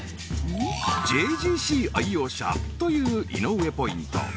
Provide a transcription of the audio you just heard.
ＪＧＣ愛用者という井上ポイント